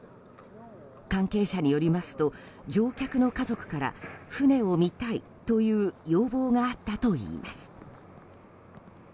関係者によりますと乗客の家族から船を見たいという要望があったといいます。